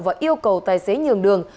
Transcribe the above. và yêu cầu tài xế nhường đường